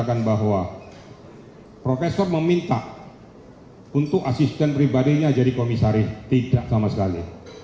dan bahwa profesor meminta untuk asisten pribadinya jadi komisaris tidak sama sekali